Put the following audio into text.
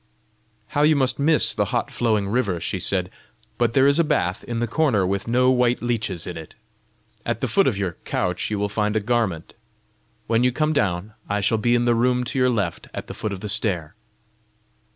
"How you must miss the hot flowing river!" she said. "But there is a bath in the corner with no white leeches in it! At the foot of your couch you will find a garment. When you come down, I shall be in the room to your left at the foot of the stair."